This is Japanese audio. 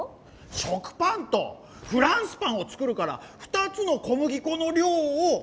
食パンとフランスパンを作るから２つのこむぎこの量を足したんです。